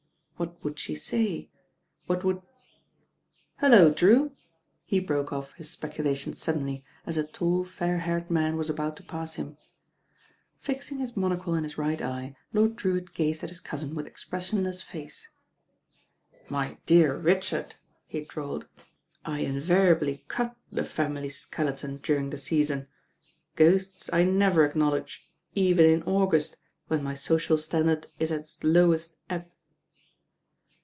What would she say? What would ? "Hullo, Drew I" he broke off his speculations sud denly, as a tall, fair haired man was about to pass him. Fixing his monocle in his right eye, Lord Drewitt gazed at his cousin with expressionless face. "My dear Richard," he drawled, "I invariably cut the family skeleton during the Season. Ghosts I never acknowledge, even in August, when my social standard is at its lowest ebb."